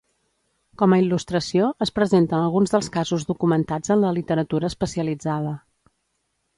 Com a il·lustració es presenten alguns dels casos documentats en la literatura especialitzada.